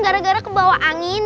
gara gara kebawa angin